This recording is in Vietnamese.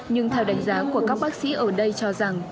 nhưng theo đánh giá của các bác sĩ ở đây cho rằng